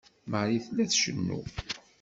Marie tella tcennu.